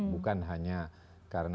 bukan hanya karena